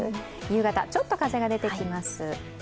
夕方、ちょっと風が出てきます。